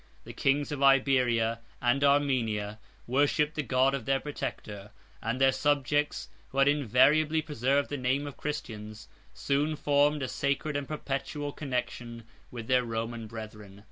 The kings of Iberia and Armenia76a worshipped the god of their protector; and their subjects, who have invariably preserved the name of Christians, soon formed a sacred and perpetual connection with their Roman brethren.